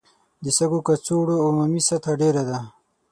د سږو کڅوړو عمومي سطحه ډېره ده.